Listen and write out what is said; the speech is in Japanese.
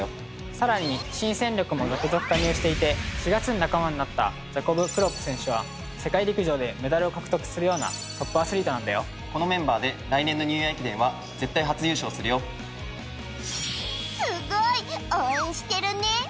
さらに新戦力も続々加入していて４月に仲間になったジャコブ・クロップ選手は世界陸上でメダルを獲得するようなトップアスリートなんだよこのメンバーで来年のニューイヤー駅伝は絶対初優勝するよすごい！応援してるね！